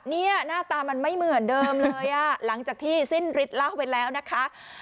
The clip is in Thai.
หน้าตามันไม่เหมือนเดิมเลยอ่ะหลังจากที่สิ้นฤทธิเล่าไปแล้วนะคะ